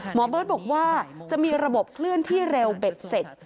หมอเบิร์ตบอกว่าจะมีระบบเคลื่อนที่เร็วเบ็ดเสร็จ